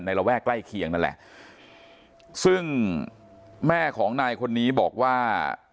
ระแวกใกล้เคียงนั่นแหละซึ่งแม่ของนายคนนี้บอกว่า